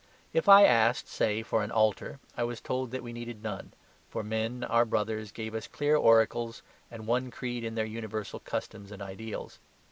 If I asked, say, for an altar, I was told that we needed none, for men our brothers gave us clear oracles and one creed in their universal customs and ideals.